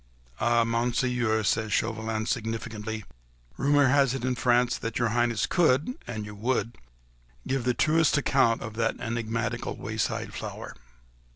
"Ah, Monseigneur," said Chauvelin, significantly, "rumour has it in France that your Highness could—an you would—give the truest account of that enigmatical wayside flower."